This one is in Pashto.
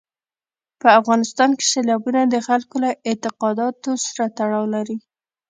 په افغانستان کې سیلابونه د خلکو له اعتقاداتو سره تړاو لري.